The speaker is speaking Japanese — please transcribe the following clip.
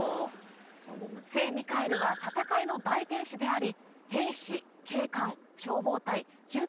聖ミカエルは戦いの大天使でありでもあります